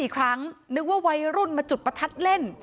อีกครั้งนึกว่าวัยรุ่นมาจุดประทัดเล่น